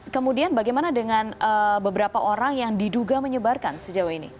kemudian bagaimana dengan beberapa orang yang diduga menyebarkan sejauh ini